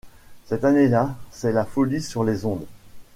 Cette année-là, c’est la folie sur les ondes!